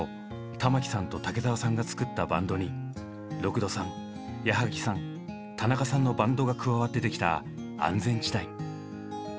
玉置さんと武沢さんが作ったバンドに六土さん矢萩さん田中さんのバンドが加わって出来た安全地帯。